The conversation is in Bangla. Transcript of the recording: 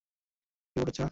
আমারটায় রিবুট হচ্ছে না।